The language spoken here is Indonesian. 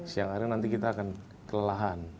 siang hari nanti kita akan kelelahan